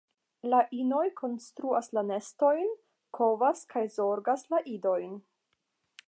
La inoj konstruas la nestojn, kovas kaj zorgas la idojn.